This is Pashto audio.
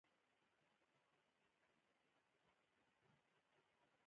يوه انجلۍ په چيغو راووتله او مرسته يې غوښته